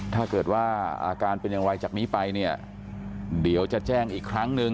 ถ้าเกิดว่าอาการเป็นอย่างไรจากนี้ไปเนี่ยเดี๋ยวจะแจ้งอีกครั้งหนึ่ง